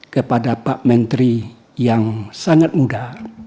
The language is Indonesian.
kepada pak menteri yang sangat muda